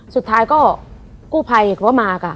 สุดท้ายก็กู้ภัยเขาก็มาค่ะ